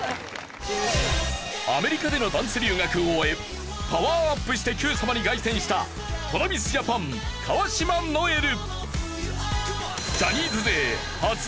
アメリカでのダンス留学を終えパワーアップして『Ｑさま！！』に凱旋したＴｒａｖｉｓＪａｐａｎ川島如恵留。